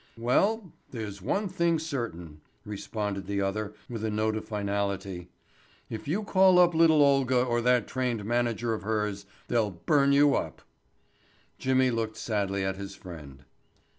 "Well, there's one thing certain," responded the other with a note of finality. "If you call up little Olga or that trained manager of hers they'll burn you up." Jimmy looked sadly at his friend.